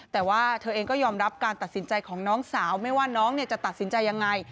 แต่ว่าเธอเองก็ยอมรับการตัดสินใจของน้องสาวไม่ว่าน้องจะตัดสินใจยังไง